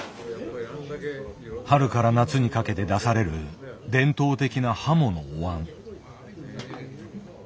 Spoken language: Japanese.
春から夏にかけて出される伝統的なハモのお椀。